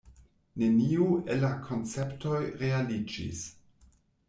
Neniu el la konceptoj realiĝis.